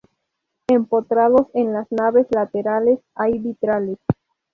Empotrados en las naves laterales hay vitrales.